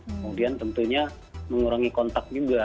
kemudian tentunya mengurangi kontak juga